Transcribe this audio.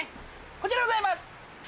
こちらでございます。